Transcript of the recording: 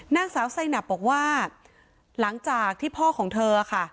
นางสาวไซนับบอกว่าหลังจากที่พ่อของเธอค่ะ